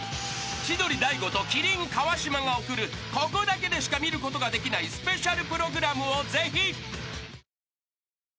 ［千鳥大悟と麒麟川島が送るここだけでしか見ることができないスペシャルプログラムをぜひ］